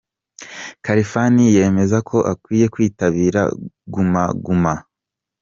Khalfan yemezako akwiye kwitabira Guma Guma.